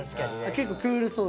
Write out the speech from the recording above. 結構クールそうで。